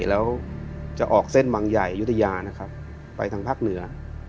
แล้วจะออกเส้นบางใหญ่อยุธยาไปทางภาคเหนือ